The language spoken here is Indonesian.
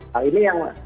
nah ini yang